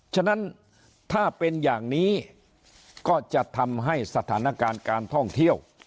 ฉะนั้นถ้าเป็นอย่างนี้ก็จะทำให้สถานการณ์การท่องเที่ยว